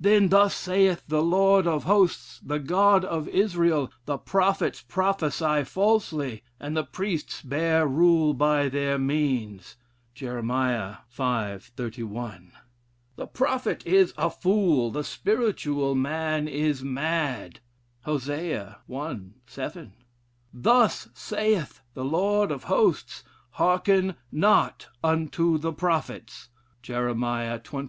Then 'thus saith the Lord of Hosts, the God of Israel, the prophets prophesy falsely and the priests bear rule by their means.' Jer. v. 31. 'The prophet is a fool: the spiritual man is mad.' Hosea i. 7. 'Thus saith the Lord of Hosts: hearken not unto the prophets.' Jer. xxiii.